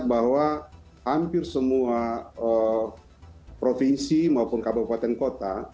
bahwa hampir semua provinsi maupun kabupaten kota